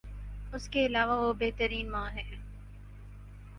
اس کے علاوہ وہ بہترین ماں ہیں